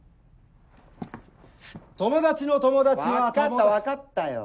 友達の友達は分かった分かったよ